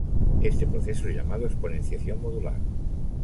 Este proceso es llamado Exponenciación modular.